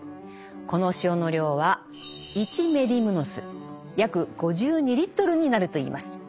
この塩の量は１メディムノス約５２リットルになるといいます。